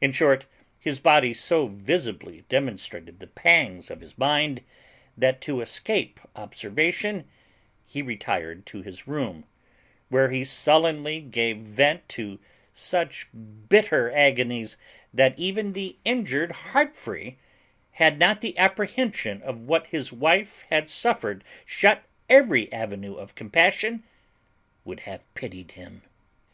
In short, his body so visibly demonstrated the pangs of his mind, that to escape observation he retired to his room, where he sullenly gave vent to such bitter agonies, that even the injured Heartfree, had not the apprehension of what his wife had suffered shut every avenue of compassion, would have pitied him.